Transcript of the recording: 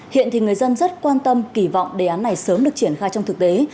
hiện thì người dân rất quan tâm kỳ vọng đề án này sớm được triển khai trong thực tế